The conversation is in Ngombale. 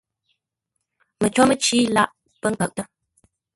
Məcǒ mə́cí lâʼ pə́ kə́ʼtə́.